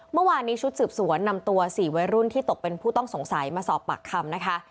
เมื่อวานนี้ชุดสืบสวนนำตัว๔วัยรุ่นที่ตกเป็นผู้ต้องสงสัยมาสอบปากคำนะคะ